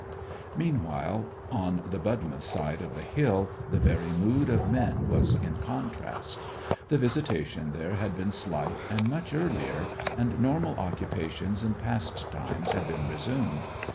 Meanwhile, on the Budmouth side of the hill the very mood of men was in contrast. The visitation there had been slight and much earlier, and normal occupations and pastimes had been resumed.